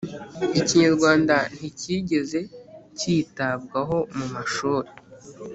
ikinyarwanda ntikigeze kitabwaho mu mashuri,